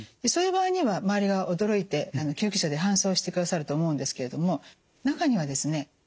そういう場合には周りが驚いて救急車で搬送してくださると思うんですけれども中にはですね